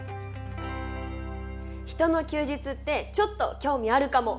人の休日ってちょっと興味あるかも。